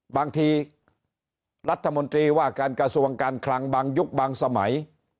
บางทีรัฐมนตรีว่าการกระทรวงการคลังบางยุคบางสมัย